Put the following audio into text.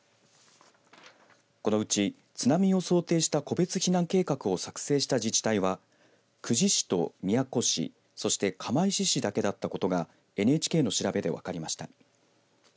このうち津波を想定した個別避難計画を作成した自治体は久慈市と宮古市そして釜石市だけだったことがＮＨＫの調べで分かりました。